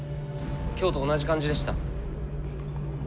今日と同じ感じでした。